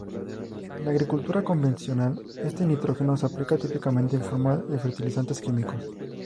En la agricultura convencional, este nitrógeno se aplica típicamente en forma de fertilizantes químicos.